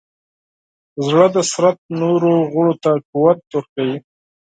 زړه د بدن نورو غړو ته قوت ورکوي.